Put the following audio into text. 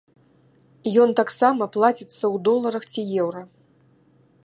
Ён таксама плаціцца ў доларах ці еўра.